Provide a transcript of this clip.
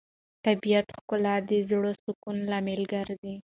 د طبیعت ښکلا د زړه سکون لامل ګرځي.